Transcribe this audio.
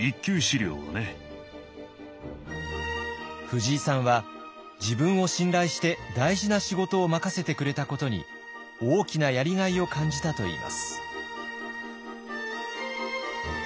藤井さんは自分を信頼して大事な仕事を任せてくれたことに大きなやりがいを感じたといいます。